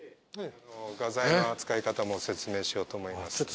画材の扱い方も説明しようと思います。